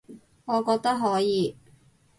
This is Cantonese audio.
我覺得可以